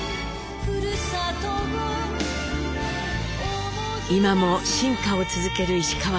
今も進化を続ける石川さゆりさん。